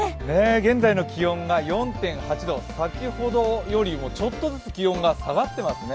現在の気温が４．８度、先ほどよりもちょっとずつ気温が下がっていますね。